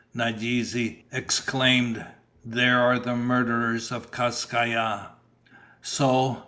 Nadeze exclaimed, "There are the murderers of Kas Kai Ya!" "So?"